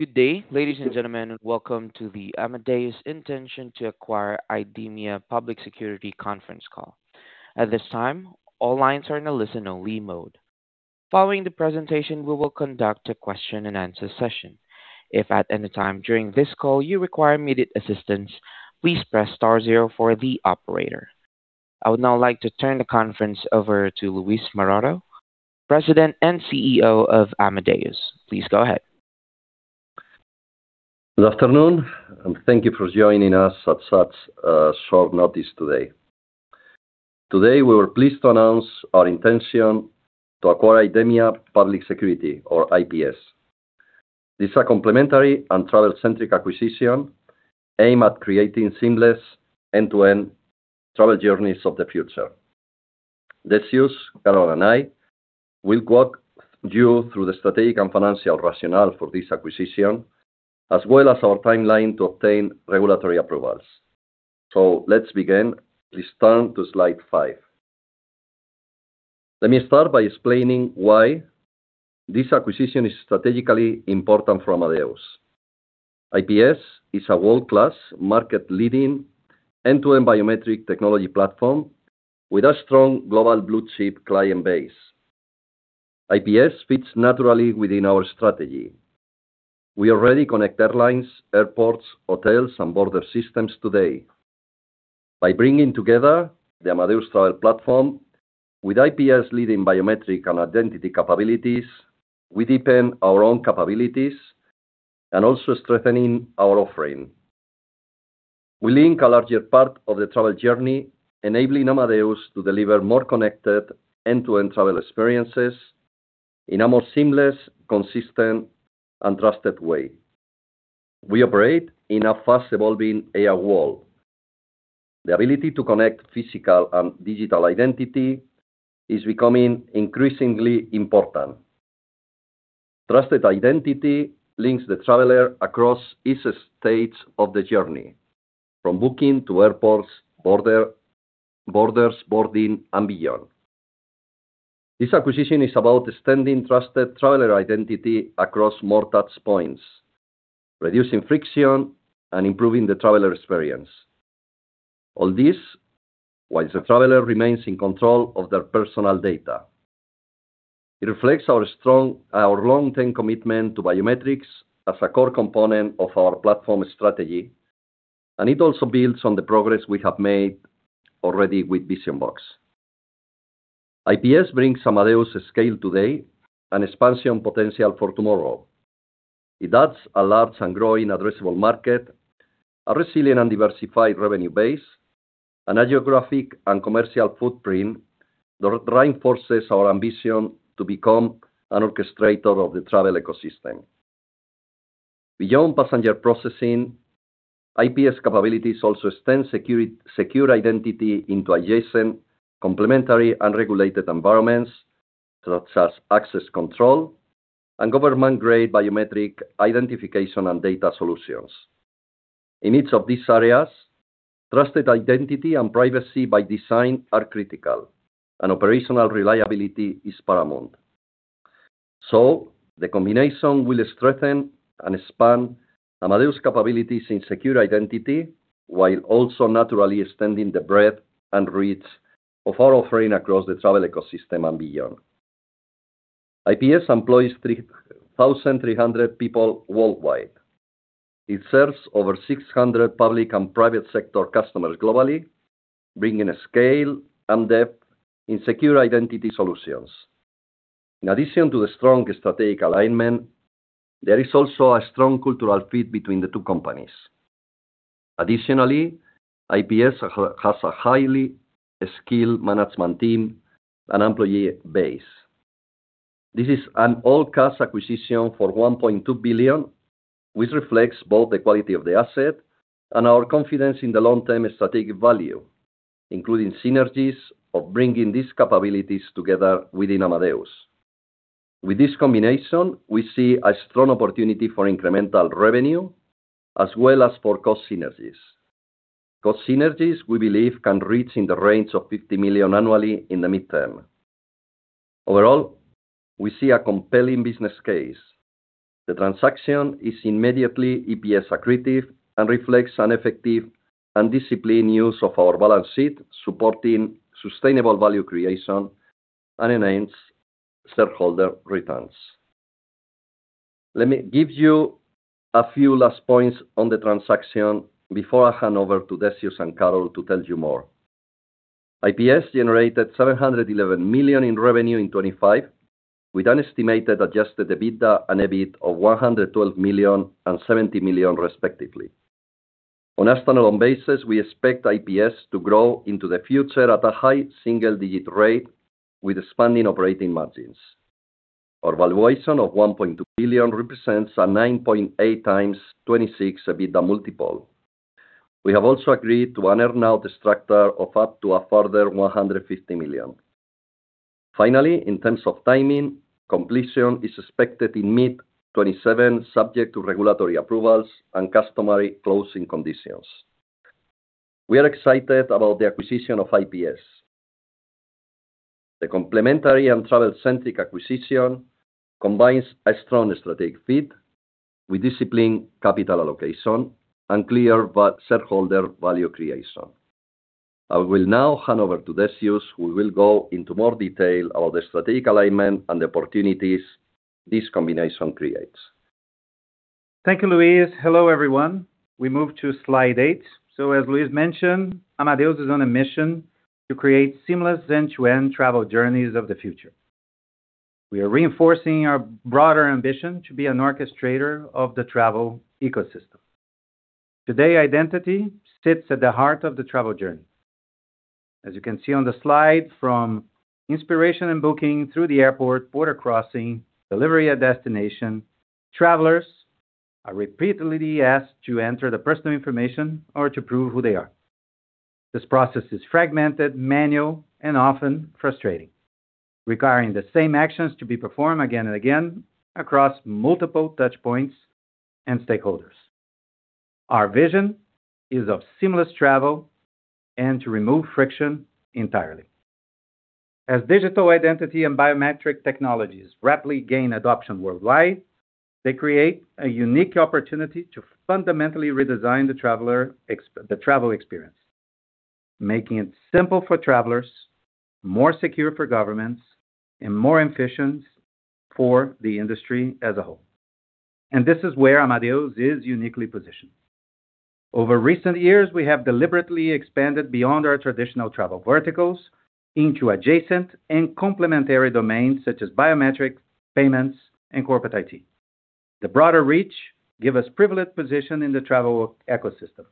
Good day, ladies and gentlemen. Welcome to the Amadeus intention to acquire IDEMIA Public Security conference call. At this time, all lines are in a listen-only mode. Following the presentation, we will conduct a question-and-answer session. If at any time during this call you require immediate assistance, please press star zero for the operator. I would now like to turn the conference over to Luis Maroto, President and CEO of Amadeus. Please go ahead. Good afternoon, and thank you for joining us at such short notice today. Today, we are pleased to announce our intention to acquire IDEMIA Public Security or IPS. This is a complementary and travel-centric acquisition aimed at creating seamless end-to-end travel journeys of the future. Decius, Carol, and I will walk you through the strategic and financial rationale for this acquisition, as well as our timeline to obtain regulatory approvals. Let's begin. Please turn to slide five. Let me start by explaining why this acquisition is strategically important for Amadeus. IPS is a world-class market leading end-to-end biometric technology platform with a strong global blue-chip client base. IPS fits naturally within our strategy. We already connect airlines, airports, hotels, and border systems today. By bringing together the Amadeus travel platform with IPS leading biometric and identity capabilities, we deepen our own capabilities and also strengthening our offering. We link a larger part of the travel journey, enabling Amadeus to deliver more connected end-to-end travel experiences in a more seamless, consistent, and trusted way. We operate in a fast-evolving AI world. The ability to connect physical and digital identity is becoming increasingly important. Trusted identity links the traveler across each stage of the journey, from booking to airports, borders, boarding, and beyond. This acquisition is about extending trusted traveler identity across more touch points, reducing friction, and improving the traveler experience. All this while the traveler remains in control of their personal data. It reflects our long-term commitment to biometrics as a core component of our platform strategy, and it also builds on the progress we have made already with Vision-Box. IPS brings Amadeus scale today and expansion potential for tomorrow. It adds a large and growing addressable market, a resilient and diversified revenue base, and a geographic and commercial footprint that reinforces our ambition to become an orchestrator of the travel ecosystem. Beyond passenger processing, IPS capabilities also extend security, secure identity into adjacent, complementary, and regulated environments, such as access control and government-grade biometric identification and data solutions. In each of these areas, trusted identity and privacy by design are critical, and operational reliability is paramount. The combination will strengthen and expand Amadeus capabilities in secure identity, while also naturally extending the breadth and reach of our offering across the travel ecosystem and beyond. IPS employs 3,300 people worldwide. It serves over 600 public and private sector customers globally, bringing scale and depth in secure identity solutions. In addition to the strong strategic alignment, there is also a strong cultural fit between the two companies. Additionally, IPS has a highly skilled management team and employee base. This is an all cash acquisition for 1.2 billion, which reflects both the quality of the asset and our confidence in the long-term strategic value, including synergies of bringing these capabilities together within Amadeus. With this combination, we see a strong opportunity for incremental revenue as well as for cost synergies. Cost synergies, we believe, can reach in the range of 50 million annually in the midterm. Overall, we see a compelling business case. The transaction is immediately EPS accretive and reflects an effective and disciplined use of our balance sheet, supporting sustainable value creation and enhance shareholder returns. Let me give you a few last points on the transaction before I hand over to Decius and Carol to tell you more. IPS generated 711 million in revenue in 2025, with an estimated adjusted EBITDA and EBIT of 112 million and 70 million respectively. On a stand-alone basis, we expect IPS to grow into the future at a high single-digit rate with expanding operating margins. Our valuation of 1.2 billion represents a 9.8x 2026 EBITDA multiple. We have also agreed to an earn-out structure of up to a further 150 million. Finally, in terms of timing, completion is expected in mid-2027, subject to regulatory approvals and customary closing conditions. We are excited about the acquisition of IPS. The complementary and travel-centric acquisition combines a strong strategic fit with disciplined capital allocation and clear shareholder value creation. I will now hand over to Decius, who will go into more detail about the strategic alignment and the opportunities this combination creates. Thank you, Luis. Hello, everyone. We move to slide eight. As Luis mentioned, Amadeus is on a mission to create seamless end-to-end travel journeys of the future. We are reinforcing our broader ambition to be an orchestrator of the travel ecosystem. Today, identity sits at the heart of the travel journey. As you can see on the slide, from inspiration and booking through the airport, border crossing, delivery at destination, travelers are repeatedly asked to enter their personal information or to prove who they are. This process is fragmented, manual, and often frustrating, requiring the same actions to be performed again and again across multiple touch points and stakeholders. Our vision is of seamless travel and to remove friction entirely. As digital identity and biometric technologies rapidly gain adoption worldwide, they create a unique opportunity to fundamentally redesign the travel experience, making it simple for travelers, more secure for governments, and more efficient for the industry as a whole. This is where Amadeus is uniquely positioned. Over recent years, we have deliberately expanded beyond our traditional travel verticals into adjacent and complementary domains such as biometrics, payments, and corporate IT. The broader reach give us privileged position in the travel ecosystem,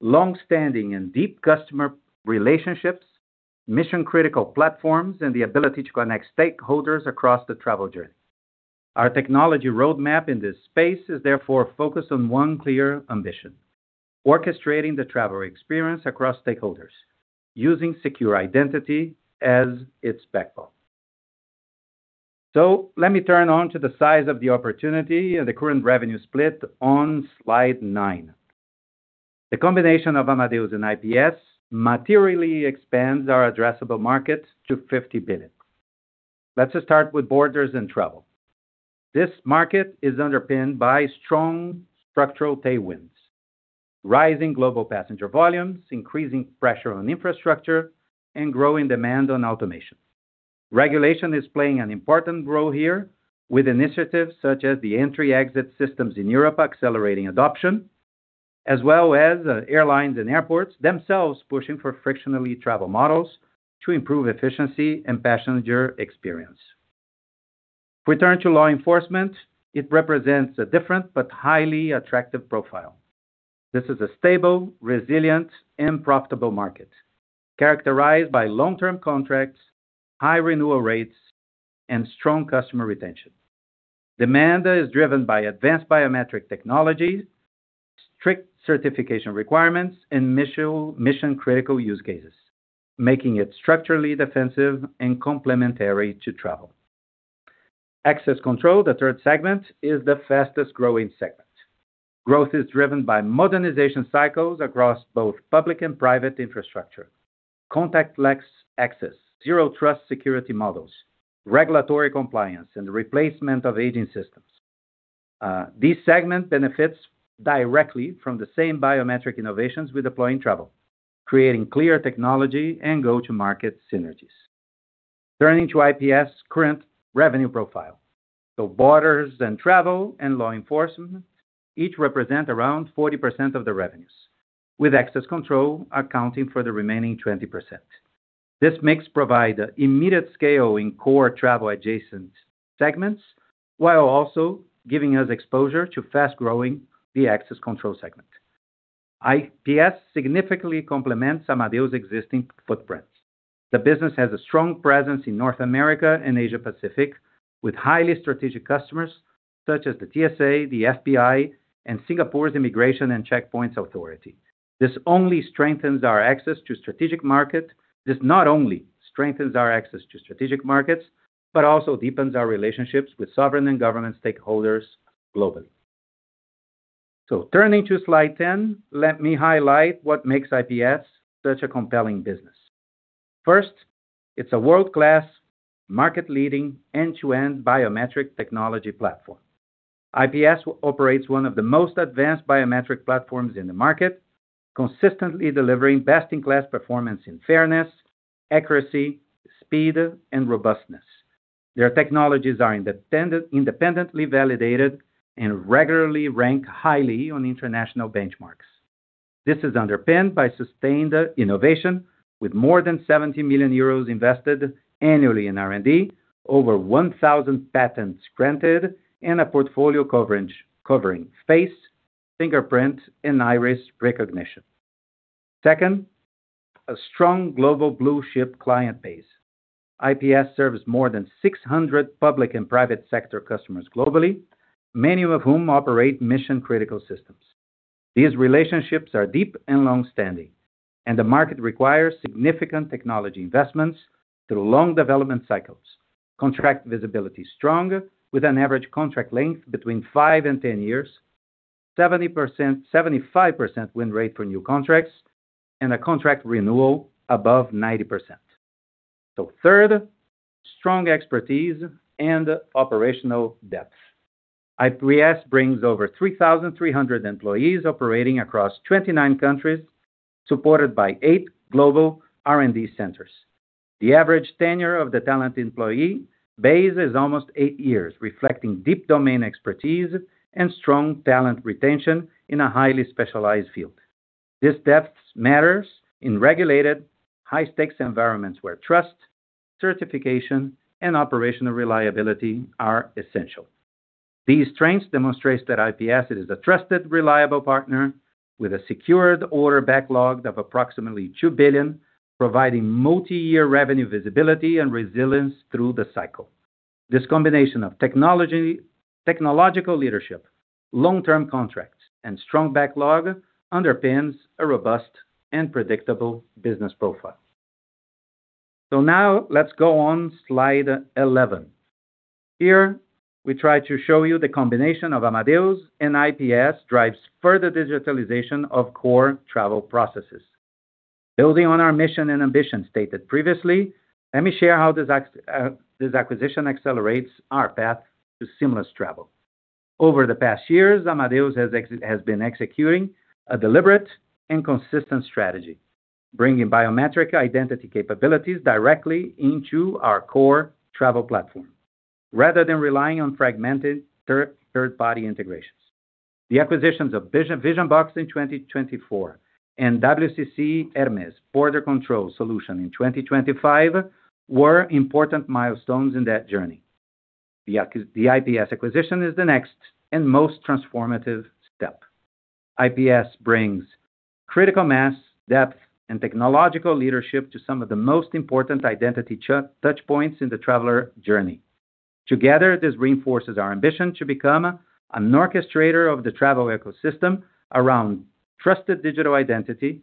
longstanding and deep customer relationships, mission-critical platforms, and the ability to connect stakeholders across the travel journey. Our technology roadmap in this space is therefore focused on one clear ambition: orchestrating the travel experience across stakeholders using secure identity as its backbone. Let me turn on to the size of the opportunity and the current revenue split on slide nine. The combination of Amadeus and IPS materially expands our addressable market to 50 billion. Let's start with borders and travel. This market is underpinned by strong structural tailwinds, rising global passenger volumes, increasing pressure on infrastructure, and growing demand on automation. Regulation is playing an important role here, with initiatives such as the Entry/Exit System in Europe accelerating adoption, as well as airlines and airports themselves pushing for frictionless travel models to improve efficiency and passenger experience. If we turn to law enforcement, it represents a different but highly attractive profile. This is a stable, resilient, and profitable market characterized by long-term contracts, high renewal rates, and strong customer retention. Demand is driven by advanced biometric technology, strict certification requirements, and mission-critical use cases, making it structurally defensive and complementary to travel. Access control, the third segment, is the fastest-growing segment. Growth is driven by modernization cycles across both public and private infrastructure, contactless access, zero trust security models, regulatory compliance, and replacement of aging systems. This segment benefits directly from the same biometric innovations we deploy in travel, creating clear technology and go-to-market synergies. Turning to IPS current revenue profile. Borders and travel and law enforcement each represent around 40% of the revenues, with access control accounting for the remaining 20%. This mix provide immediate scale in core travel adjacent segments while also giving us exposure to fast-growing the access control segment. IPS significantly complements Amadeus' existing footprints. The business has a strong presence in North America and Asia Pacific with highly strategic customers such as the TSA, the FBI, and Singapore's Immigration & Checkpoints Authority. This only strengthens our access to strategic market. This not only strengthens our access to strategic markets, but also deepens our relationships with sovereign and government stakeholders globally. Turning to slide 10, let me highlight what makes IPS such a compelling business. First, it's a world-class, market-leading, end-to-end biometric technology platform. IPS operates one of the most advanced biometric platforms in the market, consistently delivering best-in-class performance in fairness, accuracy, speed, and robustness. Their technologies are independently validated and regularly rank highly on international benchmarks. This is underpinned by sustained innovation with more than 70 million euros invested annually in R&D, over 1,000 patents granted, and a portfolio coverage covering face, fingerprint, and iris recognition. Second, a strong global blue-chip client base. IPS serves more than 600 public and private sector customers globally, many of whom operate mission-critical systems. These relationships are deep and longstanding, and the market requires significant technology investments through long development cycles. Contract visibility is strong, with an average contract length between five and 10 years. 70%, 75% win rate for new contracts and a contract renewal above 90%. Third, strong expertise and operational depth. IPS brings over 3,300 employees operating across 29 countries, supported by eight global R&D centers. The average tenure of the talent employee base is almost eight years, reflecting deep domain expertise and strong talent retention in a highly specialized field. This depth matters in regulated high stakes environments where trust, certification, and operational reliability are essential. These strengths demonstrates that IPS is a trusted, reliable partner with a secured order backlog of approximately 2 billion, providing multi-year revenue visibility and resilience through the cycle. This combination of technology, technological leadership, long-term contracts, and strong backlog underpins a robust and predictable business profile. Now let's go on slide 11. Here, we try to show you the combination of Amadeus and IPS drives further digitalization of core travel processes. Building on our mission and ambition stated previously, let me share how this acquisition accelerates our path to seamless travel. Over the past years, Amadeus has been executing a deliberate and consistent strategy, bringing biometric identity capabilities directly into our core travel platform, rather than relying on fragmented third party integrations. The acquisitions of Vision-Box in 2024 and WCC HERMES border control solution in 2025 were important milestones in that journey. The IPS acquisition is the next and most transformative step. IPS brings critical mass, depth, and technological leadership to some of the most important identity touch points in the traveler journey. Together, this reinforces our ambition to become an orchestrator of the travel ecosystem around trusted digital identity.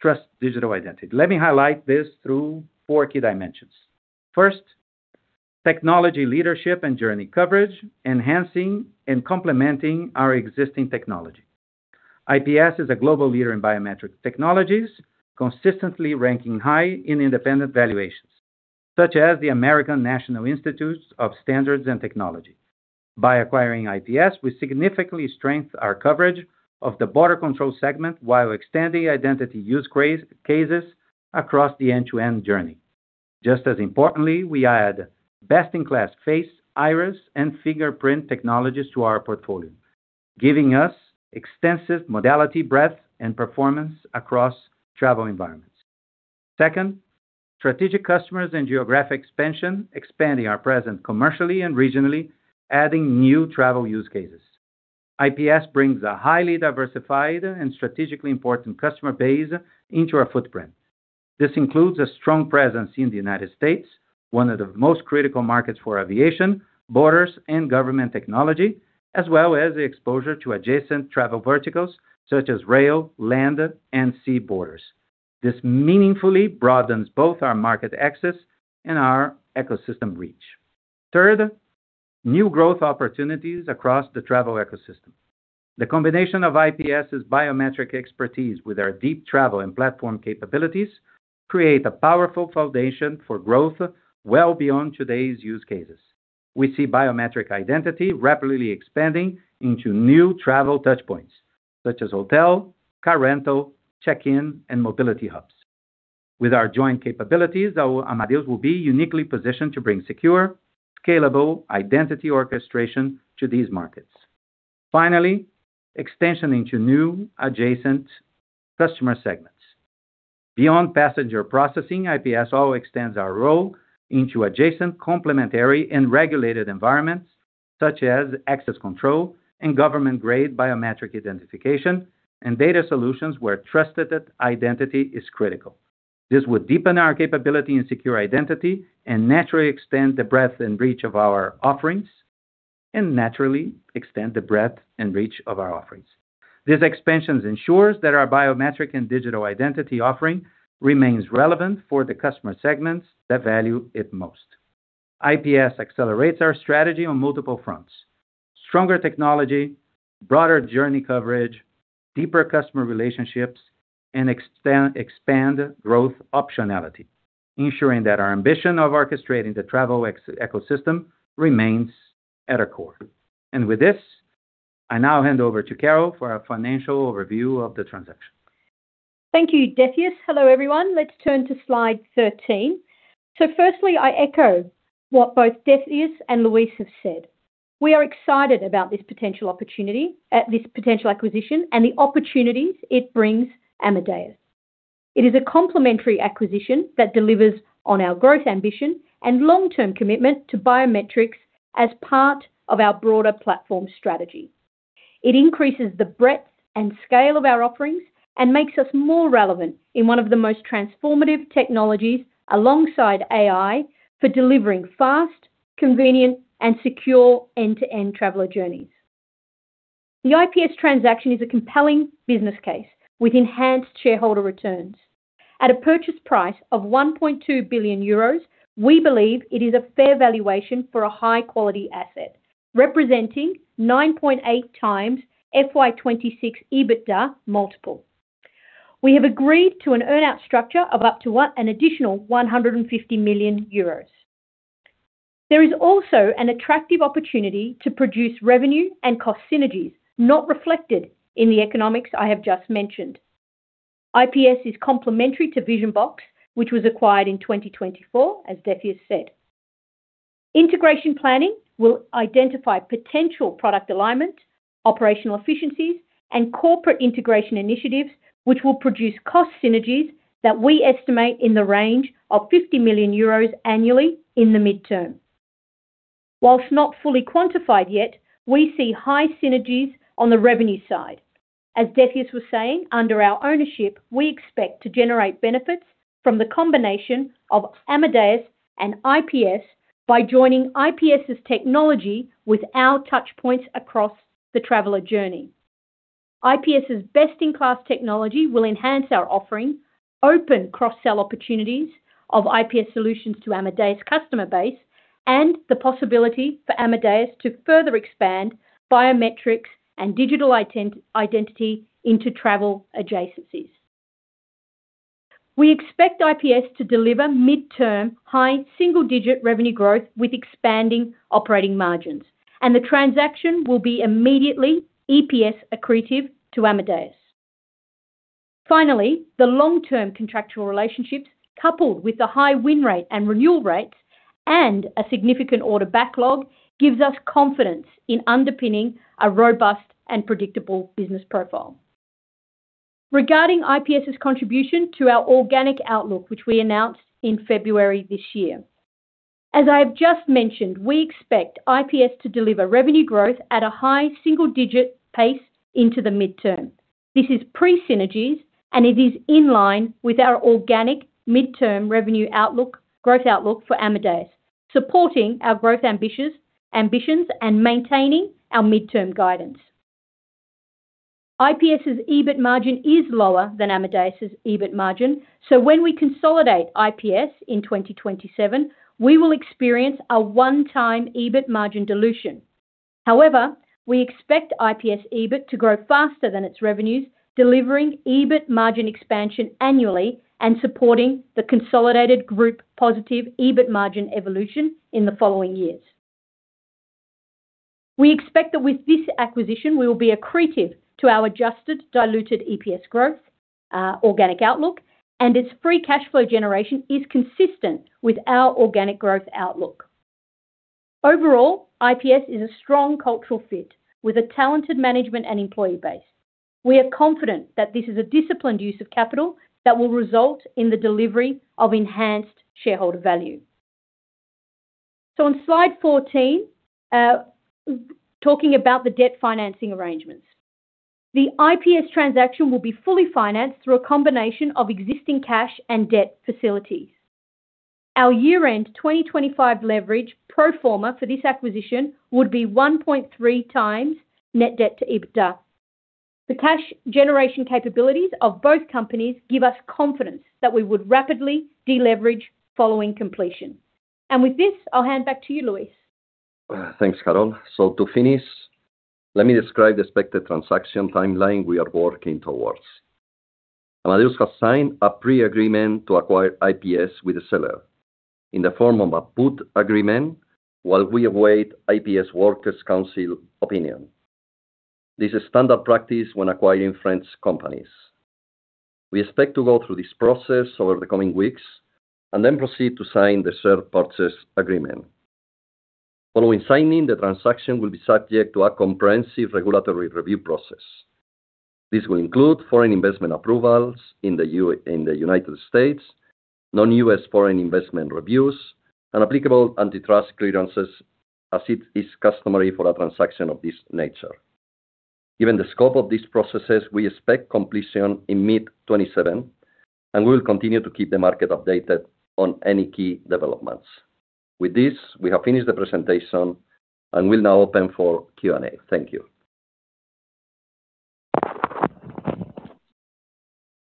Trust digital identity. Let me highlight this through four key dimensions. First, technology leadership and journey coverage, enhancing and complementing our existing technology. IPS is a global leader in biometric technologies, consistently ranking high in independent valuations, such as the American National Institute of Standards and Technology. By acquiring IPS, we significantly strengthen our coverage of the border control segment while extending identity use cases across the end-to-end journey. Just as importantly, we add best in class face, iris, and fingerprint technologies to our portfolio, giving us extensive modality breadth and performance across travel environments. Second, strategic customers and geographic expansion, expanding our presence commercially and regionally, adding new travel use cases. IPS brings a highly diversified and strategically important customer base into our footprint. This includes a strong presence in the U.S., one of the most critical markets for aviation, borders, and government technology, as well as exposure to adjacent travel verticals such as rail, land, and sea borders. This meaningfully broadens both our market access and our ecosystem reach. Third, new growth opportunities across the travel ecosystem. The combination of IPS' biometric expertise with our deep travel and platform capabilities create a powerful foundation for growth well beyond today's use cases. We see biometric identity rapidly expanding into new travel touch points, such as hotel, car rental, check-in, and mobility hubs. With our joint capabilities, our Amadeus will be uniquely positioned to bring secure, scalable identity orchestration to these markets. Finally, extension into new adjacent customer segments. Beyond passenger processing, IPS also extends our role into adjacent complementary and regulated environments such as access control and government-grade biometric identification and data solutions where trusted identity is critical. This would deepen our capability in secure identity and naturally extend the breadth and reach of our offerings. These expansions ensures that our biometric and digital identity offering remains relevant for the customer segments that value it most. IPS accelerates our strategy on multiple fronts. Stronger technology, broader journey coverage, deeper customer relationships, and expand growth optionality, ensuring that our ambition of orchestrating the travel ecosystem remains at our core. With this, I now hand over to Carol for a financial review of the transaction. Thank you, Decius. Hello, everyone. Let's turn to slide 13. Firstly, I echo what both Decius and Luis have said. We are excited about this potential opportunity, this potential acquisition and the opportunities it brings Amadeus. It is a complementary acquisition that delivers on our growth ambition and long-term commitment to biometrics as part of our broader platform strategy. It increases the breadth and scale of our offerings and makes us more relevant in one of the most transformative technologies alongside AI for delivering fast, convenient, and secure end-to-end traveler journeys. The IPS transaction is a compelling business case with enhanced shareholder returns. At a purchase price of 1.2 billion euros, we believe it is a fair valuation for a high quality asset representing 9.8x FY 2026 EBITDA multiple. We have agreed to an earn-out structure of up to an additional 150 million euros. There is also an attractive opportunity to produce revenue and cost synergies not reflected in the economics I have just mentioned. IPS is complementary to Vision-Box, which was acquired in 2024, as Decius has said. Integration planning will identify potential product alignment, operational efficiencies and corporate integration initiatives which will produce cost synergies that we estimate in the range of 50 million euros annually in the midterm. Not fully quantified yet, we see high synergies on the revenue side. Decius was saying, under our ownership, we expect to generate benefits from the combination of Amadeus and IPS by joining IPS' technology with our touch points across the traveler journey. IPS' best in class technology will enhance our offering, open cross-sell opportunities of IPS solutions to Amadeus customer base and the possibility for Amadeus to further expand biometrics and digital identity into travel adjacencies. We expect IPS to deliver midterm high single-digit revenue growth with expanding operating margins, and the transaction will be immediately EPS accretive to Amadeus. The long term contractual relationships coupled with the high win rate and renewal rates and a significant order backlog gives us confidence in underpinning a robust and predictable business profile. Regarding IPS' contribution to our organic outlook, which we announced in February this year. As I have just mentioned, we expect IPS to deliver revenue growth at a high single-digit pace into the midterm. This is pre synergies and it is in line with our organic midterm revenue outlook, growth outlook for Amadeus, supporting our growth ambitions and maintaining our midterm guidance. IPS' EBIT margin is lower than Amadeus' EBIT margin. When we consolidate IPS in 2027, we will experience a one-time EBIT margin dilution. However, we expect IPS EBIT to grow faster than its revenues, delivering EBIT margin expansion annually and supporting the consolidated group positive EBIT margin evolution in the following years. We expect that with this acquisition we will be accretive to our adjusted diluted EPS growth, organic outlook and its free cash flow generation is consistent with our organic growth outlook. Overall, IPS is a strong cultural fit with a talented management and employee base. We are confident that this is a disciplined use of capital that will result in the delivery of enhanced shareholder value. On slide 14, talking about the debt financing arrangements. The IPS transaction will be fully financed through a combination of existing cash and debt facilities. Our year-end 2025 leverage pro forma for this acquisition would be 1.3x net debt to EBITDA. The cash generation capabilities of both companies give us confidence that we would rapidly deleverage following completion. With this, I'll hand back to you, Luis. Thanks, Carol. To finish, let me describe the expected transaction timeline we are working towards. Amadeus has signed a pre-agreement to acquire IPS with the seller in the form of a put agreement while we await IPS workers council opinion. This is standard practice when acquiring French companies. We expect to go through this process over the coming weeks and then proceed to sign the share purchase agreement. Following signing, the transaction will be subject to a comprehensive regulatory review process. This will include foreign investment approvals in the United States, non-U.S. foreign investment reviews and applicable antitrust clearances, as it is customary for a transaction of this nature. Given the scope of these processes, we expect completion in mid-2027 and we will continue to keep the market updated on any key developments. With this, we have finished the presentation and will now open for Q&A. Thank you.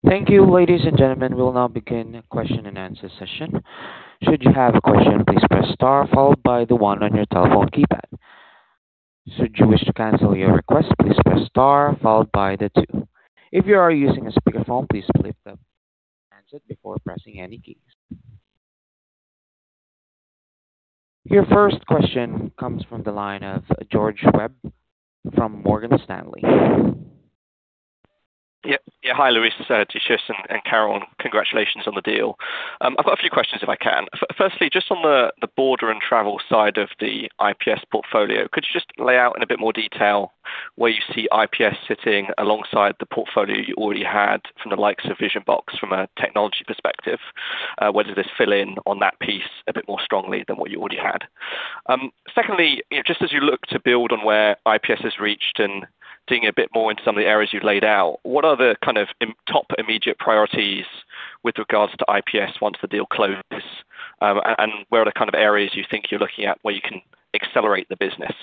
Thank you, ladies and gentlemen. We will now begin the question-and-answer session. Should you have a question, please press star followed by the one on your telephone keypad. Should you wish to cancel your request, please press start followed by the two. If you are using a speakerphone, please mute it before pressing any key. Your first question comes from the line of George Webb from Morgan Stanley. Yeah, hi, Luis, Decius, and Carol. Congratulations on the deal. I've got a few questions if I can. Firstly, just on the border and travel side of the IPS portfolio, could you just lay out in a bit more detail where you see IPS sitting alongside the portfolio you already had from the likes of Vision-Box from a technology perspective? Whether this fill in on that piece a bit more strongly than what you already had. Secondly, just as you look to build on where IPS has reached and digging a bit more into some of the areas you've laid out, what are the kind of top immediate priorities with regards to IPS once the deal closes? Where are the kind of areas you think you're looking at where you can accelerate the business?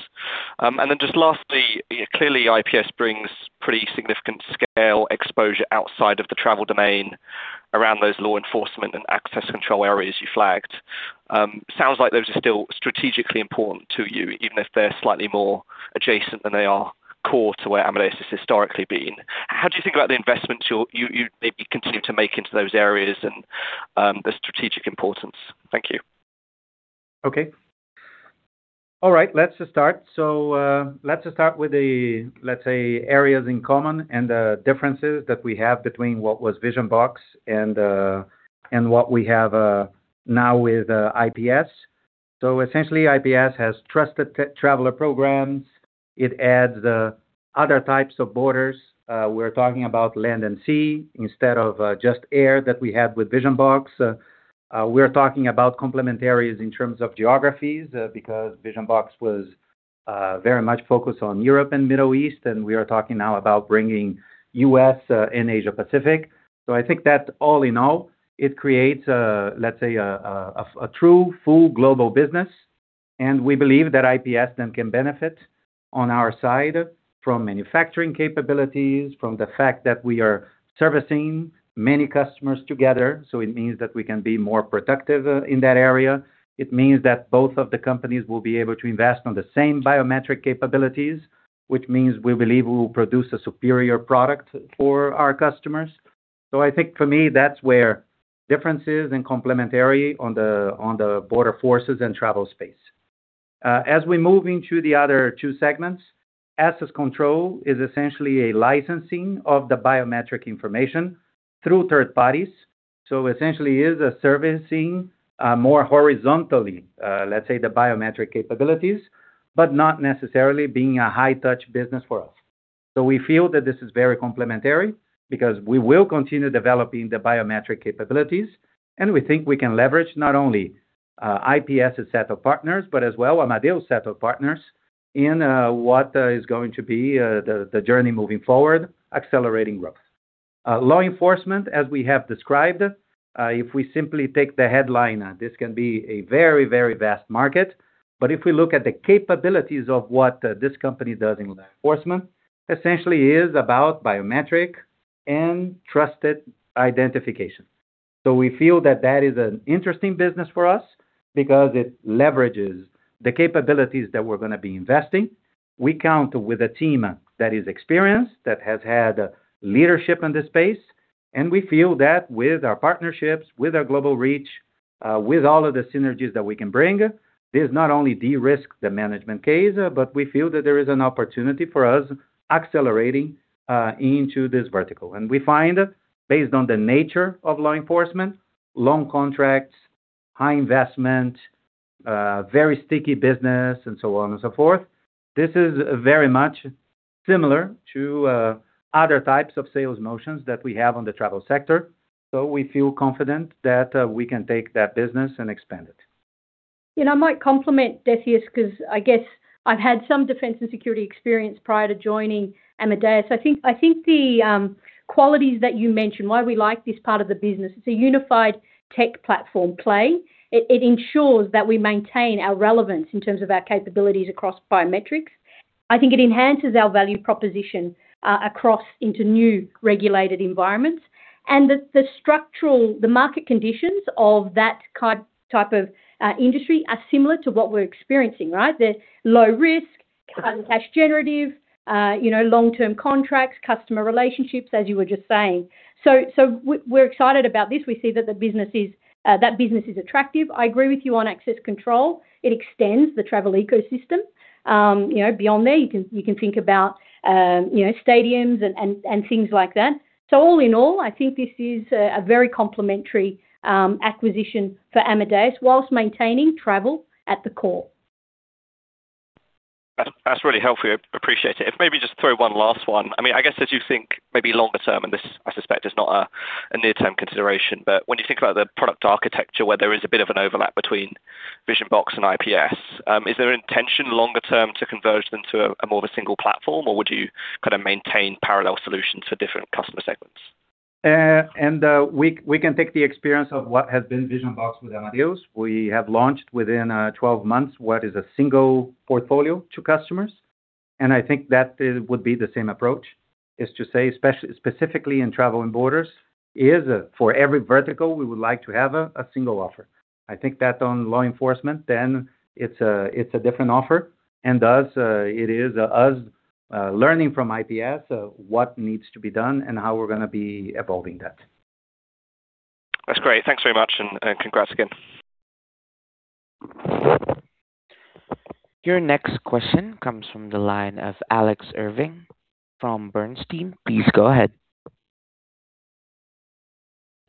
Just lastly, clearly IPS brings pretty significant scale exposure outside of the travel domain around those law enforcement and access control areas you flagged. Sounds like those are still strategically important to you, even if they're slightly more adjacent than they are core to where Amadeus has historically been. How do you think about the investment you maybe continue to make into those areas and the strategic importance? Thank you. Okay. All right, let's just start. Let's just start with the, let's say, areas in common and the differences that we have between what was Vision-Box and what we have now with IPS. Essentially, IPS has trusted traveler programs. It adds other types of borders. We're talking about land and sea instead of just air that we have with Vision-Box. We're talking about complementary in terms of geographies, because Vision-Box was very much focused on Europe and Middle East, and we are talking now about bringing U.S. and Asia-Pacific. I think that all in all, it creates, let's say, a true, full global business, and we believe that IPS then can benefit on our side from manufacturing capabilities, from the fact that we are servicing many customers together. It means that we can be more productive in that area. It means that both of the companies will be able to invest on the same biometric capabilities, which means we believe we will produce a superior product for our customers. I think for me, that's where differences and complementary on the border forces and travel space. As we move into the other two segments, access control is essentially a licensing of the biometric information through third parties. Essentially is a servicing, more horizontally, let's say the biometric capabilities, but not necessarily being a high touch business for us. We feel that this is very complementary because we will continue developing the biometric capabilities, and we think we can leverage not only IPS' set of partners, but as well Amadeus set of partners in what is going to be the journey moving forward, accelerating growth. Law enforcement, as we have described, if we simply take the headline, this can be a very, very vast market. If we look at the capabilities of what this company does in law enforcement, essentially is about biometric and trusted identification. We feel that that is an interesting business for us because it leverages the capabilities that we're gonna be investing. We count with a team that is experienced, that has had leadership in this space. We feel that with our partnerships, with our global reach, with all of the synergies that we can bring, this not only de-risk the management case, but we feel that there is an opportunity for us accelerating into this vertical. We find, based on the nature of law enforcement, long contracts, high investment, very sticky business and so on and so forth, this is very much similar to other types of sales motions that we have on the travel sector. We feel confident that we can take that business and expand it. I might complement Decius, because I guess I've had some defense and security experience prior to joining Amadeus. I think the qualities that you mentioned, why we like this part of the business, it's a unified tech platform play. It ensures that we maintain our relevance in terms of our capabilities across biometrics. I think it enhances our value proposition across into new regulated environments. The structural market conditions of that type of industry are similar to what we're experiencing, right? They're low risk, cash generative, you know, long-term contracts, customer relationships, as you were just saying. We're excited about this. We see that that business is attractive. I agree with you on access control. It extends the travel ecosystem. You know, beyond there, you can, you can think about, you know, stadiums and things like that. All in all, I think this is a very complementary acquisition for Amadeus whilst maintaining travel at the core. That's really helpful. I appreciate it. If maybe just throw one last one. I mean, I guess as you think maybe longer term, and this, I suspect, is not a near-term consideration, but when you think about the product architecture where there is a bit of an overlap between Vision-Box and IPS, is there an intention longer term to converge them to a more of a single platform, or would you kind of maintain parallel solutions for different customer segments? We can take the experience of what has been Vision-Box with Amadeus. We have launched within 12 months what is a single portfolio to customers, and I think that would be the same approach, is to say, especially, specifically in travel and borders, is for every vertical, we would like to have a single offer. I think that on law enforcement then it's a different offer, and thus, it is us learning from IPS what needs to be done and how we're going to be evolving that. That's great. Thanks very much, and congrats again. Your next question comes from the line of Alex Irving from Bernstein. Please go ahead.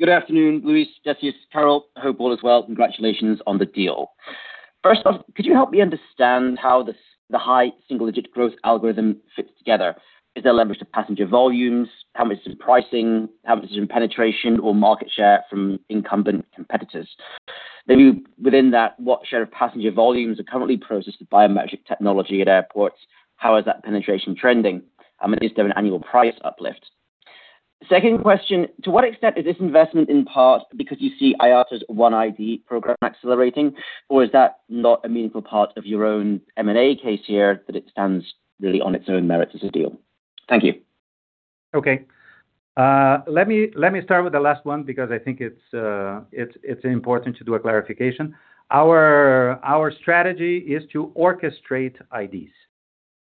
Good afternoon, Luis, Decius, Carol. Hope all is well. Congratulations on the deal. First off, could you help me understand how the high single-digit growth algorithm fits together? Is there leverage to passenger volumes? How much is it pricing? How much is it penetration or market share from incumbent competitors? Maybe within that, what share of passenger volumes are currently processed by biometric technology at airports? How is that penetration trending? Is there an annual price uplift? Second question, to what extent is this investment in part because you see IATA's One ID program accelerating? Is that not a meaningful part of your own M&A case here, that it stands really on its own merit as a deal? Thank you. Okay. Let me start with the last one because I think it's important to do a clarification. Our strategy is to orchestrate IDs.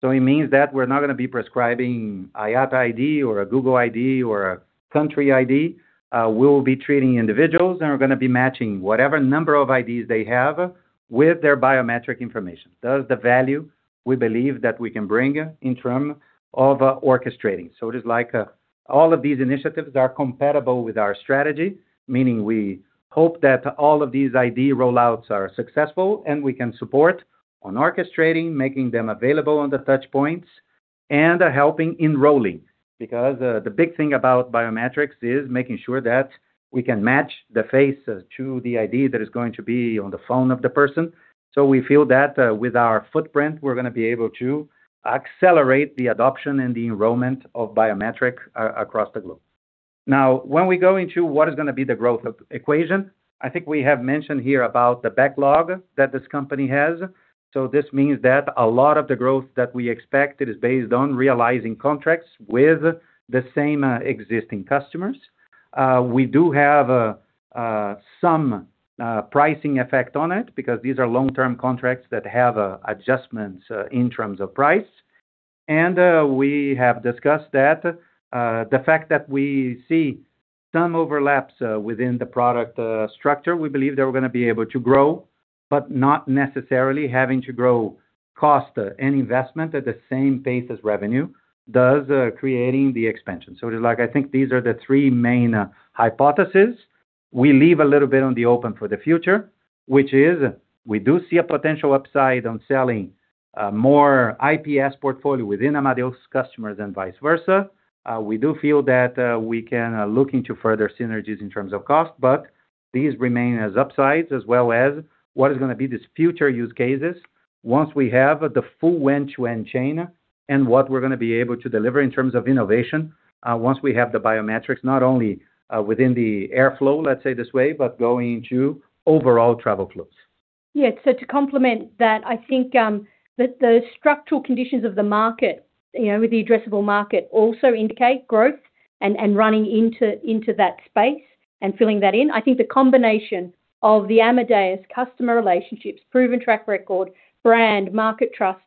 It means that we're not gonna be prescribing IATA ID or a Google ID or a country ID. We'll be treating individuals, and we're gonna be matching whatever number of IDs they have with their biometric information. That is the value we believe that we can bring in term of orchestrating. It is like all of these initiatives are compatible with our strategy. Meaning we hope that all of these ID rollouts are successful, and we can support on orchestrating, making them available on the touch points, and helping enrolling. Because the big thing about biometrics is making sure that we can match the face to the ID that is going to be on the phone of the person. We feel that, with our footprint, we're gonna be able to accelerate the adoption and the enrollment of biometrics across the globe. When we go into what is gonna be the growth equation, I think we have mentioned here about the backlog that this company has. This means that a lot of the growth that we expected is based on realizing contracts with the same existing customers. We do have some pricing effect on it because these are long-term contracts that have adjustments in terms of price. We have discussed that. The fact that we see some overlaps within the product structure, we believe they're gonna be able to grow, but not necessarily having to grow cost and investment at the same pace as revenue. Thus, creating the expansion. It is like I think these are the three main hypothesis. We leave a little bit on the open for the future, which is we do see a potential upside on selling more IPS portfolio within Amadeus customers and vice versa. We do feel that we can look into further synergies in terms of cost, but these remain as upsides as well as what is going to be these future use cases once we have the full end-to-end chain, and what we're going to be able to deliver in terms of innovation, once we have the biometrics, not only within the airflow, let's say this way, but going into overall travel flows. Yeah. To complement that, I think the structural conditions of the market, you know, with the addressable market also indicate growth and running into that space and filling that in. I think the combination of the Amadeus customer relationships, proven track record, brand, market trust,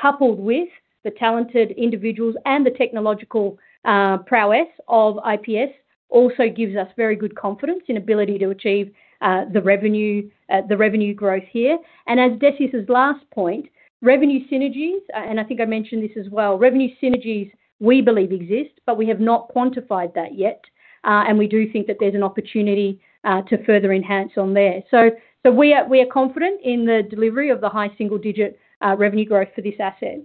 coupled with the talented individuals and the technological prowess of IPS also gives us very good confidence and ability to achieve the revenue growth here. As Decius' last point, revenue synergies, and I think I mentioned this as well. Revenue synergies, we believe exist, we have not quantified that yet. We do think that there's an opportunity to further enhance on there. We are confident in the delivery of the high single-digit revenue growth for this asset.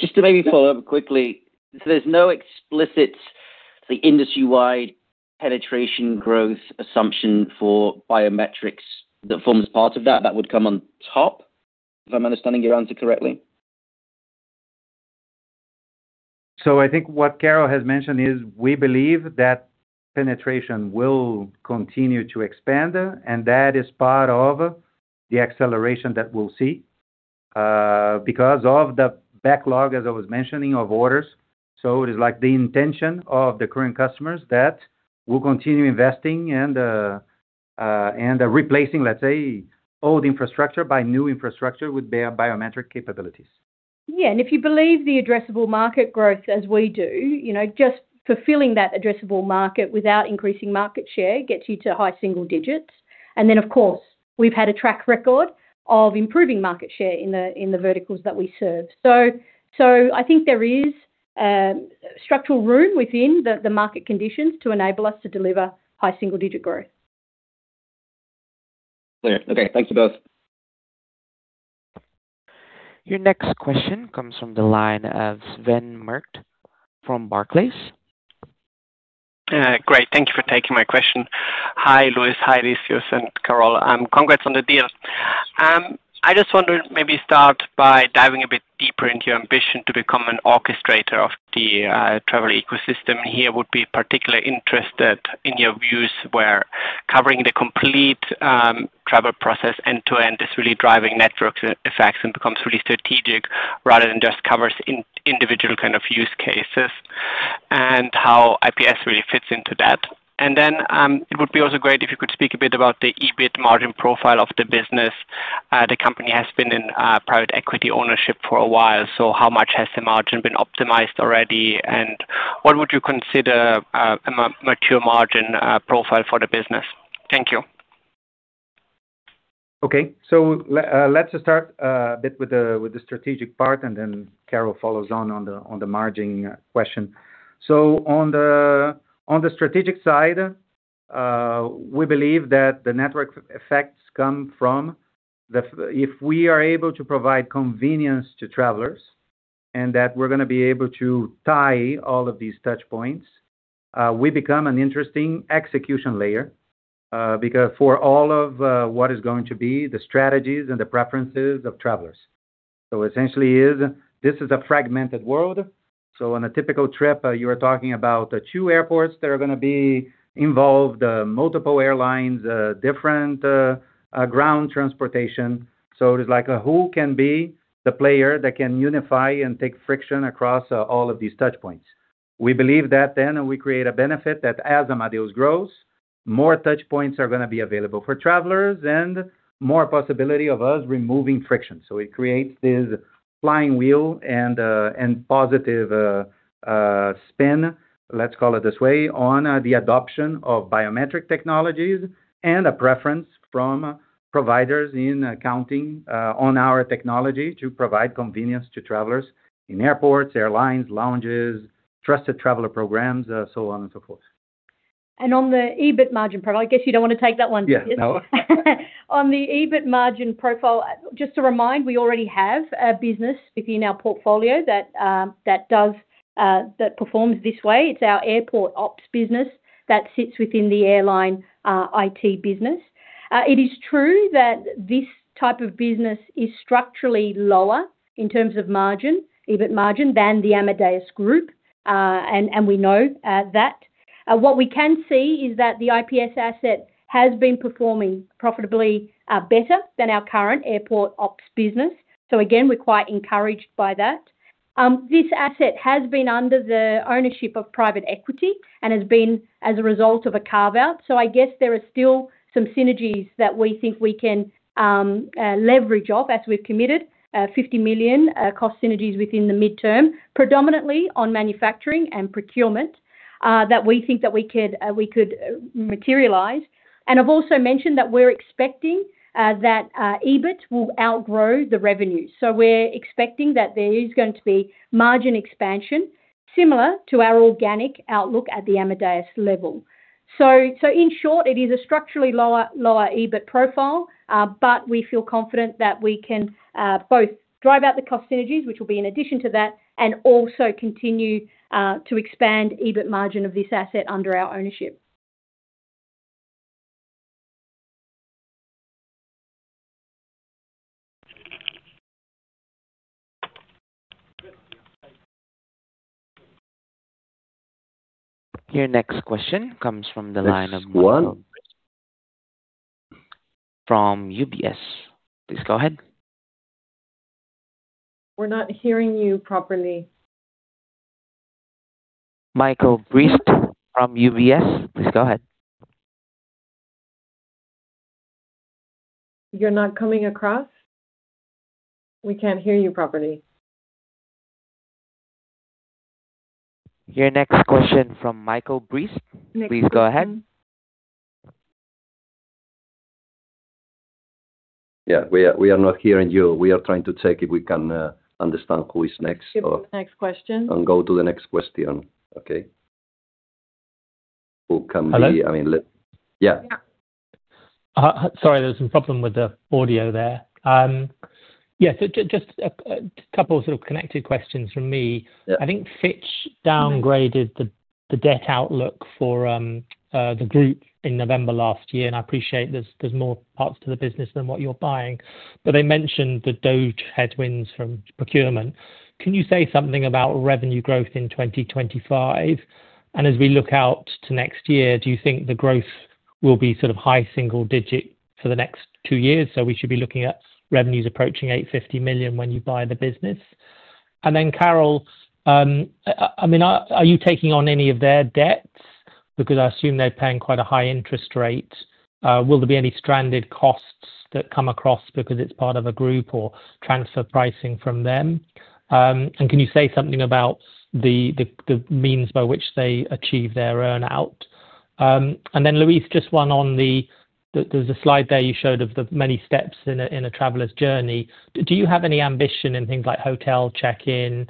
Just to maybe follow up quickly. There's no explicit, the industry-wide penetration growth assumption for biometrics that forms part of that would come on top, if I'm understanding your answer correctly? I think what Carol has mentioned is we believe that penetration will continue to expand, and that is part of the acceleration that we'll see because of the backlog, as I was mentioning, of orders. It is like the intention of the current customers that will continue investing and replacing, let's say, old infrastructure by new infrastructure with biometric capabilities. Yeah. If you believe the addressable market growth as we do, you know, just fulfilling that addressable market without increasing market share gets you to high single-digits. Of course, we've had a track record of improving market share in the, in the verticals that we serve. I think there is structural room within the market conditions to enable us to deliver high single-digit growth. Clear. Okay. Thank you both. Your next question comes from the line of Sven Merkt from Barclays. Great. Thank you for taking my question. Hi, Luis. Hi, Decius and Carol. Congrats on the deal. I just wonder, maybe start by diving a bit deeper into your ambition to become an orchestrator of the travel ecosystem here. Would be particularly interested in your views where covering the complete travel process end to end is really driving network effects and becomes really strategic rather than just covers individual kind of use cases, and how IPS really fits into that. It would be also great if you could speak a bit about the EBIT margin profile of the business. The company has been in private equity ownership for a while, so how much has the margin been optimized already? What would you consider a mature margin profile for the business? Thank you. Okay. Let's start a bit with the, with the strategic part, and then Carol follows on on the, on the margin question. On the, on the strategic side, we believe that the network effects come from the if we are able to provide convenience to travelers and that we're gonna be able to tie all of these touch points, we become an interesting execution layer. Because for all of what is going to be the strategies and the preferences of travelers. Essentially is this is a fragmented world. On a typical trip, you are talking about two airports that are gonna be involved, multiple airlines, different ground transportation. It is like who can be the player that can unify and take friction across all of these touch points. We believe that then we create a benefit that as Amadeus grows, more touch points are gonna be available for travelers and more possibility of us removing friction. It creates this flying wheel and positive spin, let's call it this way, on the adoption of biometric technologies and a preference from providers in counting on our technology to provide convenience to travelers in airports, airlines, lounges, trusted traveler programs, so on and so forth. On the EBIT margin profile, I guess you don't want to take that one, Luis. Yeah, no. On the EBIT margin profile, just to remind, we already have a business within our portfolio that performs this way. It's our airport ops business that sits within the airline IT business. It is true that this type of business is structurally lower in terms of margin, EBIT margin, than the Amadeus Group. We know that. What we can see is that the IPS asset has been performing profitably better than our current airport ops business. Again, we're quite encouraged by that. This asset has been under the ownership of private equity and has been as a result of a carve-out. I guess there are still some synergies that we think we can leverage off as we've committed 50 million cost synergies within the midterm, predominantly on manufacturing and procurement, that we think that we could materialize. I've also mentioned that we're expecting that EBIT will outgrow the revenue. We're expecting that there is going to be margin expansion similar to our organic outlook at the Amadeus level. In short, it is a structurally lower EBIT profile, but we feel confident that we can both drive out the cost synergies, which will be in addition to that, and also continue to expand EBIT margin of this asset under our ownership. Your next question comes from the line of Michael- Next one. From UBS. Please go ahead. We're not hearing you properly. Michael Briest from UBS, please go ahead. You're not coming across. We can't hear you properly. Your next question from Michael Briest. Please go ahead. Next question. We are not hearing you. We are trying to check if we can understand who is next. Give the next question. Go to the next question. Okay. Who can. Hello? I mean, Yeah. Yeah. Sorry, there was some problem with the audio there. Yeah, just a couple sort of connected questions from me. Yeah. I think Fitch downgraded the debt outlook for the group in November last year, and I appreciate there's more parts to the business than what you're buying. They mentioned the DOGE headwinds from procurement. Can you say something about revenue growth in 2025? As we look out to next year, do you think the growth will be sort of high single-digit for the next two years? We should be looking at revenues approaching 850 million when you buy the business. Carol, I mean, are you taking on any of their debts? Because I assume they're paying quite a high interest rate. Will there be any stranded costs that come across because it's part of a group or transfer pricing from them? Can you say something about the means by which they achieve their earn-out? Luis, just one on the slide there you showed of the many steps in a traveler's journey. Do you have any ambition in things like hotel check-in,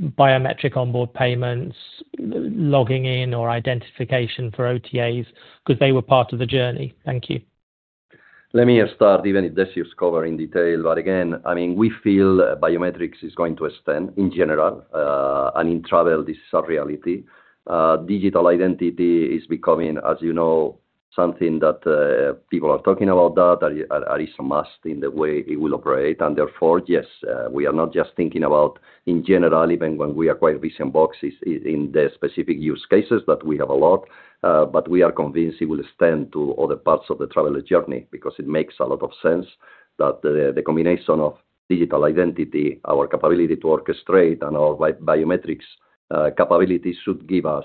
biometric onboard payments, logging in or identification for OTAs? Because they were part of the journey. Thank you. Let me start, even if Decius' covering detail. Again, I mean, we feel biometrics is going to extend in general, and in travel, this is a reality. Digital identity is becoming, as you know, something that people are talking about that is a must in the way it will operate. Therefore, yes, we are not just thinking about in general, even when we acquire Vision-Box in the specific use cases that we have a lot, but we are convinced it will extend to other parts of the traveler journey because it makes a lot of sense that the combination of digital identity, our capability to orchestrate and our biometrics capabilities should give us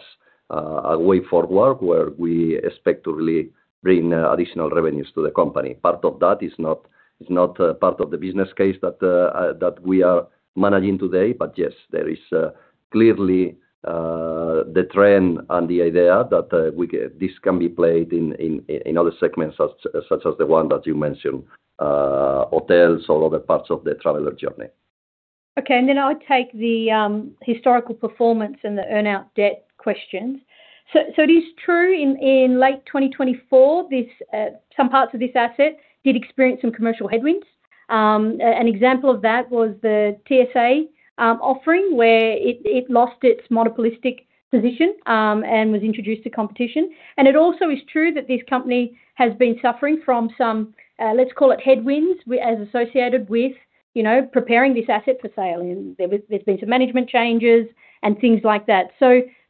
a way forward where we expect to really bring additional revenues to the company. Part of that is not part of the business case that we are managing today. Yes, there is, clearly, the trend and the idea that this can be played in other segments such as the one that you mentioned, hotels or other parts of the traveler journey. Okay. Then I would take the historical performance and the earn-out debt questions. It is true in late 2024, some parts of this asset did experience some commercial headwinds. An example of that was the TSA offering, where it lost its monopolistic position and was introduced to competition. It also is true that this company has been suffering from some, let's call it headwinds as associated with, you know, preparing this asset for sale. There's been some management changes and things like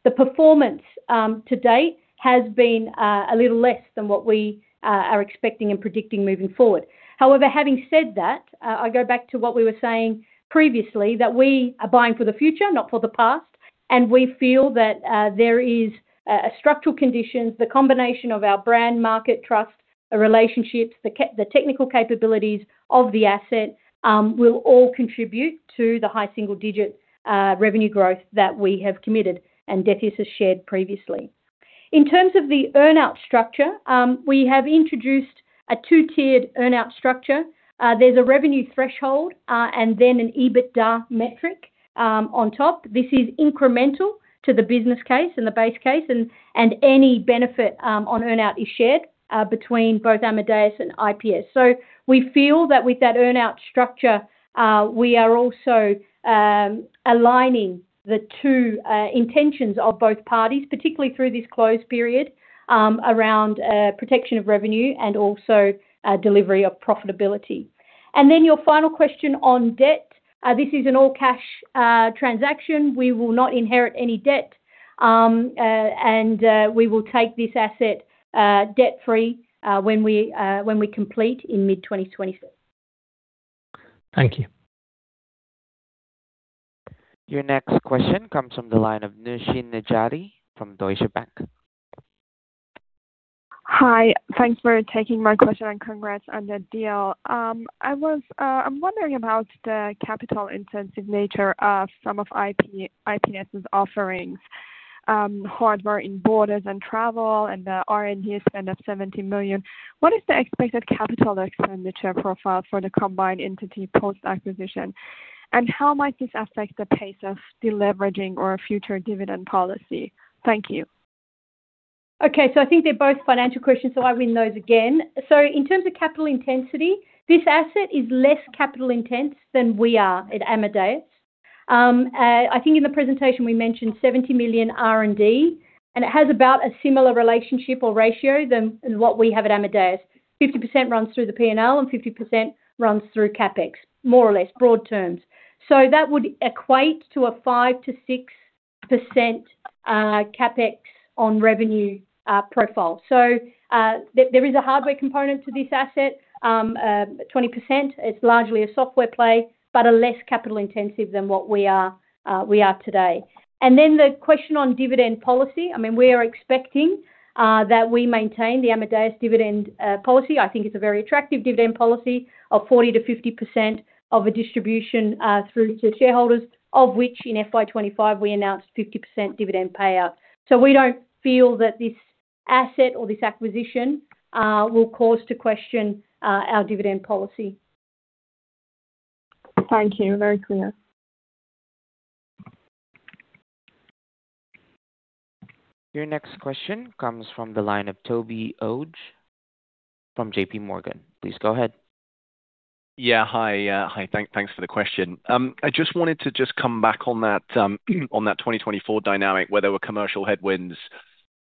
that. The performance to date has been a little less than what we are expecting and predicting moving forward. However, having said that, I go back to what we were saying previously, that we are buying for the future, not for the past. We feel that there is a structural condition, the combination of our brand, market trust, our relationships, the technical capabilities of the asset, will all contribute to the high single-digit revenue growth that we have committed and Decius has shared previously. In terms of the earn-out structure, we have introduced a two-tiered earn-out structure. There is a revenue threshold and then an EBITDA metric on top. This is incremental to the business case and the base case and any benefit on earn-out is shared between both Amadeus and IPS. We feel that with that earn-out structure, we are also aligning the two intentions of both parties, particularly through this close period, around protection of revenue and also delivery of profitability. Your final question on debt, this is an all cash transaction. We will not inherit any debt. We will take this asset debt-free when we complete in mid 2020. Thank you. Your next question comes from the line of Nooshin Nejati from Deutsche Bank. Hi. Thanks for taking my question, and congrats on the deal. I'm wondering about the capital-intensive nature of some of IPS' offerings, hardware and borders and travel and the R&D spend of 70 million. What is the expected capital expenditure profile for the combined entity post-acquisition? How might this affect the pace of deleveraging or future dividend policy? Thank you. Okay. I think they're both financial questions, so I'll read those again. In terms of capital intensity, this asset is less capital intense than we are at Amadeus. I think in the presentation we mentioned 70 million R&D, and it has about a similar relationship or ratio than what we have at Amadeus. 50% runs through the P&L and 50% runs through CapEx, more or less, broad terms. That would equate to a 5%-6% CapEx on revenue profile. There is a hardware component to this asset, 20%. It's largely a software play, but a less capital intensive than what we are, we are today. The question on dividend policy. I mean, we are expecting that we maintain the Amadeus dividend policy. I think it's a very attractive dividend policy of 40%-50% of a distribution through to shareholders, of which in FY 2025 we announced 50% dividend payout. We don't feel that this asset or this acquisition will cause to question our dividend policy. Thank you. Very clear. Your next question comes from the line of Toby Ogg from JPMorgan. Please go ahead. Yeah. Hi. Hi. Thanks for the question. I just wanted to just come back on that on that 2024 dynamic, where there were commercial headwinds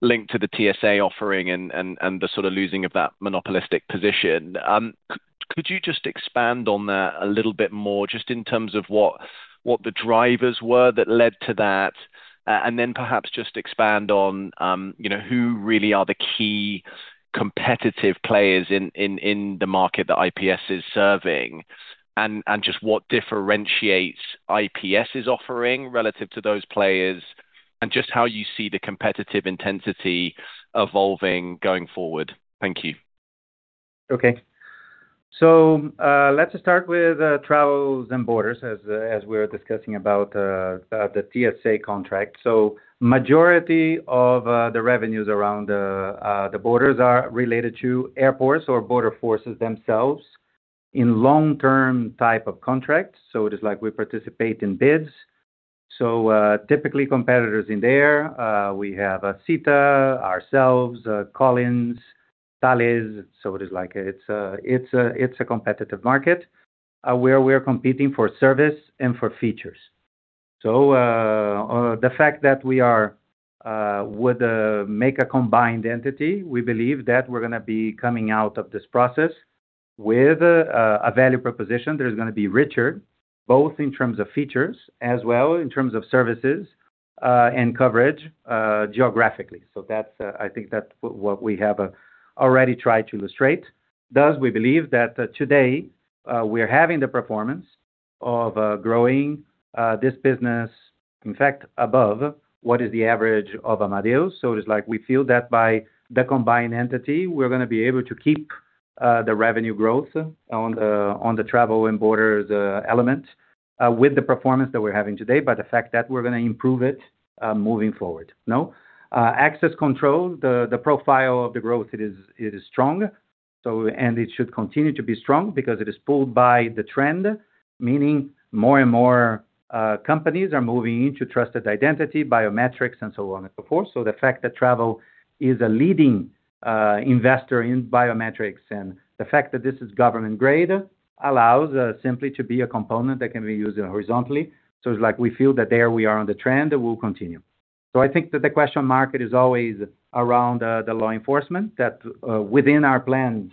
linked to the TSA offering and the sort of losing of that monopolistic position. Could you just expand on that a little bit more just in terms of what the drivers were that led to that? Then perhaps just expand on, you know, who really are the key competitive players in the market that IPS is serving. Just what differentiates IPS' offering relative to those players, and just how you see the competitive intensity evolving going forward. Thank you. Okay. Let's start with travels and borders as we're discussing about the TSA contract. Majority of the revenues around the borders are related to airports or border forces themselves in long-term type of contracts. It is like we participate in bids. Typically, competitors in there, we have SITA, ourselves, Collins, Thales. It is like, it's a competitive market where we are competing for service and for features. The fact that we are with make a combined entity, we believe that we're gonna be coming out of this process with a value proposition that is gonna be richer, both in terms of features as well, in terms of services, and coverage, geographically. That's, I think that's what we have already tried to illustrate. Thus, we believe that today, we're having the performance of growing this business, in fact, above what is the average of Amadeus. It is like we feel that by the combined entity, we're gonna be able to keep the revenue growth on the travel and border element with the performance that we're having today, but the fact that we're gonna improve it moving forward. No. Access control, the profile of the growth it is strong. It should continue to be strong because it is pulled by the trend, meaning more and more companies are moving into trusted identity, biometrics, and so on and so forth. The fact that travel is a leading investor in biometrics and the fact that this is government-grade allows simply to be a component that can be used horizontally. It's like we feel that there we are on the trend, it will continue. I think that the question mark is always around the law enforcement, that within our plans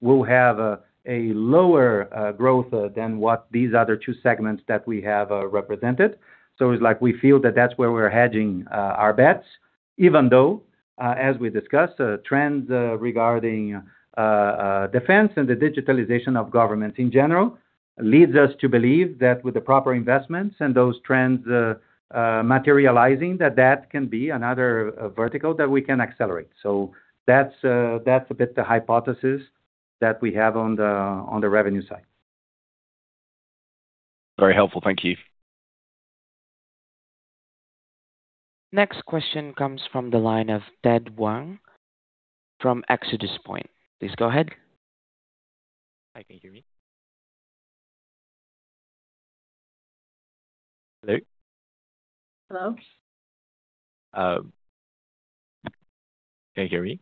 will have a lower growth than what these other two segments that we have represented. It's like we feel that that's where we're hedging our bets, even though as we discussed, trends regarding defense and the digitalization of governments in general leads us to believe that with the proper investments and those trends materializing, that that can be another vertical that we can accelerate. That's a bit the hypothesis that we have on the, on the revenue side. Very helpful. Thank you. Next question comes from the line of Ted Wang from ExodusPoint. Please go ahead. Hi, can you hear me? Hello? Hello. Can you hear me?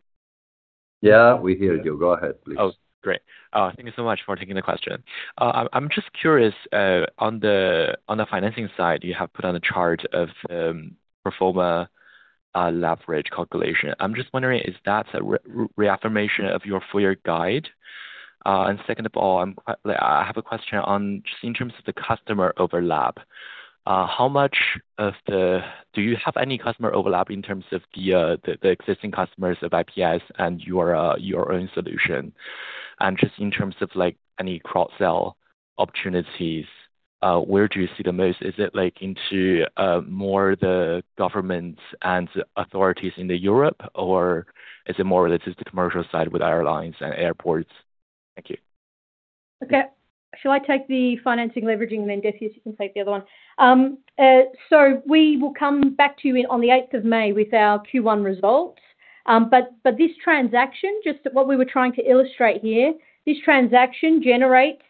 Yeah, we hear you. Go ahead, please. Oh, great. Thank you so much for taking the question. I'm just curious on the financing side, you have put on a chart of pro forma leverage calculation. I'm just wondering, is that a reaffirmation of your full-year guide? Second of all, I have a question on just in terms of the customer overlap. Do you have any customer overlap in terms of the existing customers of IPS and your own solution? Just in terms of like any cross-sell opportunities, where do you see the most? Is it like into more the governments and authorities in Europe, or is it more related to commercial side with airlines and airports? Thank you. Okay. Shall I take the financing leveraging, then, Decius, you can take the other one. We will come back to you on the 8th of May with our Q1 results. This transaction, just what we were trying to illustrate here, this transaction generates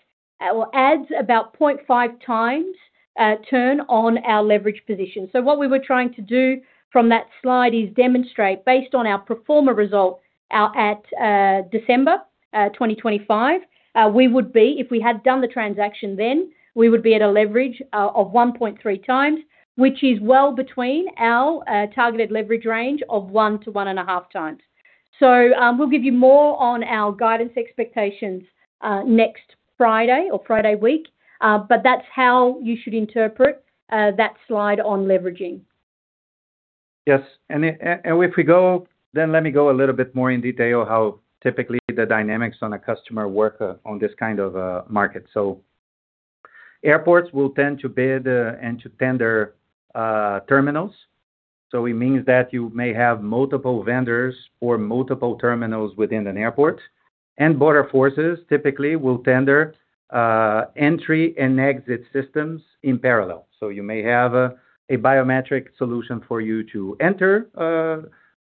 or adds about 0.5x turn on our leverage position. What we were trying to do from that slide is demonstrate based on our pro forma results at December 2025, we would be if we had done the transaction then, we would be at a leverage of 1.3x, which is well between our targeted leverage range of 1x-1.5x. We'll give you more on our guidance expectations next Friday or Friday week. That's how you should interpret, that slide on leveraging. Yes. If we go, let me go a little bit more in detail how typically the dynamics on a customer work on this kind of market. Airports will tend to bid and to tender terminals. It means that you may have multiple vendors or multiple terminals within an airport. Border forces typically will tender Entry/Exit Systems in parallel. You may have a biometric solution for you to enter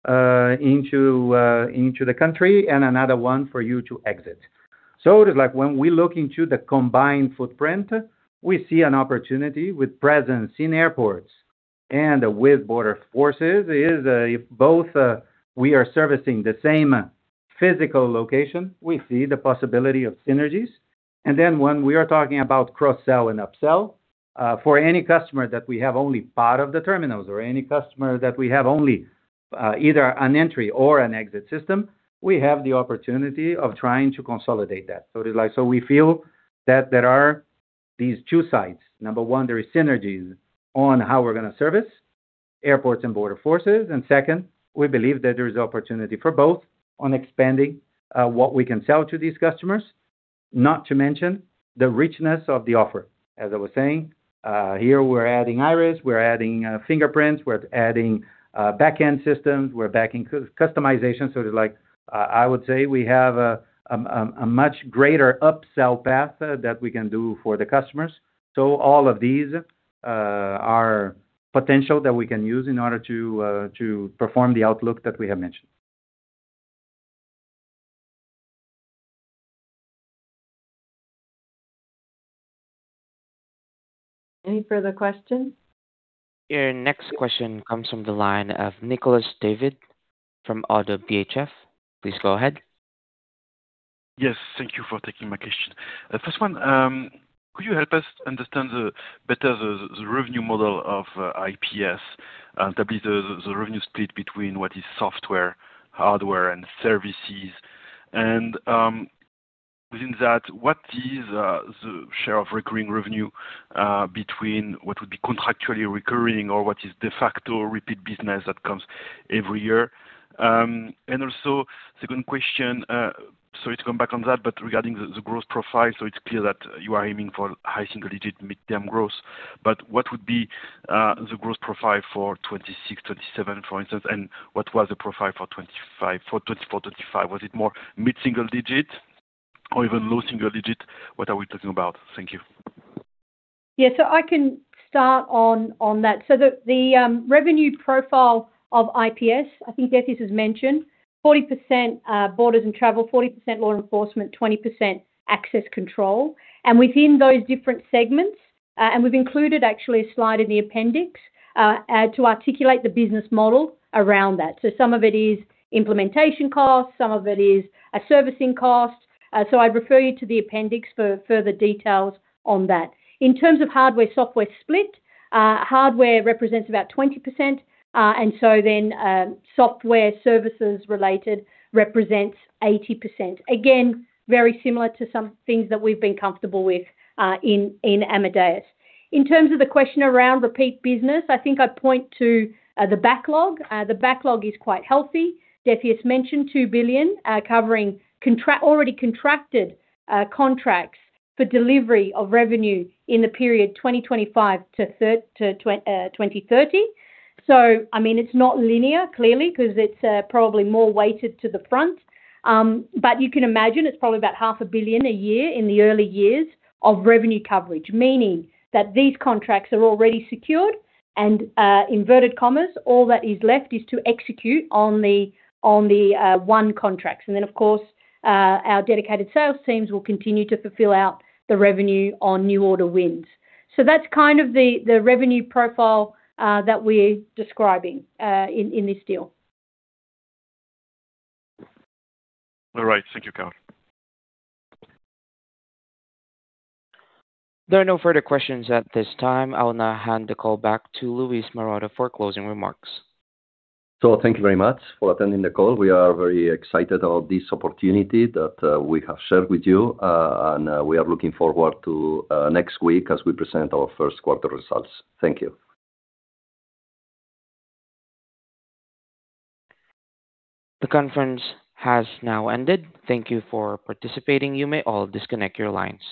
into the country and another one for you to exit. It is like when we look into the combined footprint, we see an opportunity with presence in airports and with border forces is, if both, we are servicing the same physical location, we see the possibility of synergies. When we are talking about cross-sell and up-sell, for any customer that we have only part of the terminals or any customer that we have only, either an Entry/Exit System, we have the opportunity of trying to consolidate that. It is like, we feel that there are these two sides. Number one, there is synergies on how we're going to service airports and border forces. Second, we believe that there is opportunity for both on expanding what we can sell to these customers, not to mention the richness of the offer. As I was saying, here we're adding iris, we're adding fingerprints, we're adding back-end systems, we're backing customization. It is like, I would say we have a much greater up-sell path that we can do for the customers. All of these are potential that we can use in order to perform the outlook that we have mentioned. Any further questions? Your next question comes from the line of Nicolas David from ODDO BHF. Please go ahead. Yes. Thank you for taking my question. First one, could you help us understand better the revenue model of IPS, that be the revenue split between what is software, hardware, and services? Within that, what is the share of recurring revenue between what would be contractually recurring or what is de facto repeat business that comes every year? Second question, sorry to come back on that, regarding the growth profile, it's clear that you are aiming for high single-digit mid-term growth. What would be the growth profile for 2026, 2027, for instance? What was the profile for 2024, 2025? Was it more mid-single-digit or even low single-digit? What are we talking about? Thank you. I can start on that. The revenue profile of IPS, I think Decius has mentioned, 40% borders and travel, 40% law enforcement, 20% access control. Within those different segments, and we've included actually a slide in the appendix to articulate the business model around that. Some of it is implementation costs, some of it is a servicing cost. I'd refer you to the appendix for further details on that. In terms of hardware/software split, hardware represents about 20%, software services related represents 80%. Again, very similar to some things that we've been comfortable with in Amadeus. In terms of the question around repeat business, I think I'd point to the backlog. The backlog is quite healthy. Decius mentioned 2 billion covering already contracted contracts for delivery of revenue in the period 2025 to 2030. I mean, it's not linear clearly, because it's probably more weighted to the front. You can imagine it's probably about $500 million a year in the early years of revenue coverage, meaning that these contracts are already secured and inverted commas, all that is left is to execute on the, on the, one contracts. Of course, our dedicated sales teams will continue to fulfill out the revenue on new order wins. That's kind of the revenue profile that we're describing in this deal. All right. Thank you, Carol. There are no further questions at this time. I'll now hand the call back to Luis Maroto to closing remarks. Thank you very much for attending the call. We are very excited about this opportunity that we have shared with you, and we are looking forward to next week as we present our first quarter results. Thank you. The conference has now ended. Thank you for participating. You may all disconnect your lines.